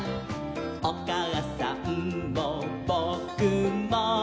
「おかあさんもぼくも」